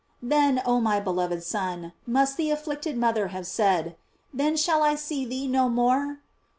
Then, oh my beloved Son, must the afflicted mother have said, then shall I see thee no more?